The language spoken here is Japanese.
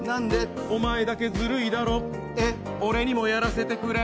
お前だけずるいだろ、俺にもやらせてくれ。